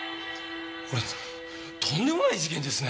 これとんでもない事件ですね！